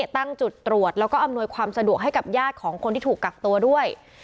ตั้งจุดตรวจแล้วก็อำนวยความสะดวกให้กับญาติของคนที่ถูกกักตัวด้วย